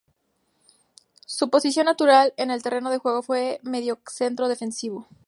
Su posición natural en el terreno de juego fue mediocentro defensivo.